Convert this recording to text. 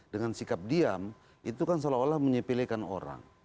dengan sikap diam itu kan seolah olah menyepelekan orang